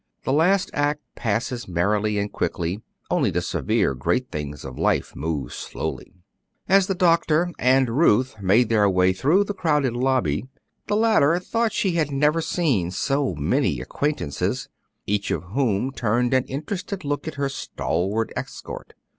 The last act passes merrily and quickly; only the severe, great things of life move slowly. As the doctor and Ruth made their way through the crowded lobby, the latter thought she had never seen so many acquaintances, each of whom turned an interested look at her stalwart escort.